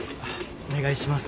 お願いします。